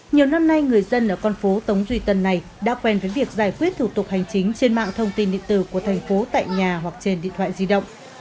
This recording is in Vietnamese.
nhiều năm nay người dân ở con phố tống duy tân này đã quen với việc giải quyết thủ tục hành chính trên mạng thông tin điện tử của thành phố tại nhà hoặc trên điện thoại di động